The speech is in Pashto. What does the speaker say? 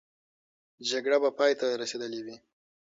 جګړه به پای ته رسېدلې وي.